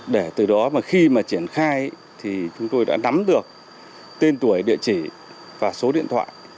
để từ đó mà khi mà triển khai thì chúng tôi đã nắm được tên tuổi địa chỉ và số điện thoại